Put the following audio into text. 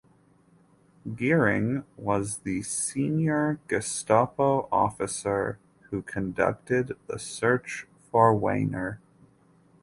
Giering was the senior Gestapo officer who conducted the search for Wehner.